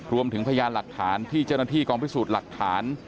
พยานหลักฐานที่เจ้าหน้าที่กองพิสูจน์หลักฐาน